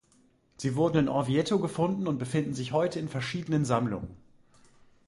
Sie wurden in Orvieto gefunden und befinden sich heute in verschiedenen Sammlungen.